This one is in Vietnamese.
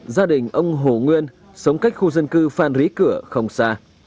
gia đình ông hồ nguyên sống cách khu dân cư phan rí cửa không xa